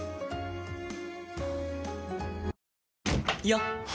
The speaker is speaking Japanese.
よっ！